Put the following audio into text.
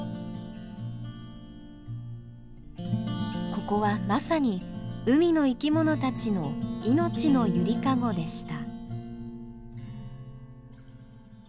ここはまさに海の生きものたちの命の揺りかごでした。